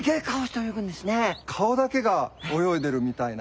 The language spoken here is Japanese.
顔だけが泳いでるみたいな。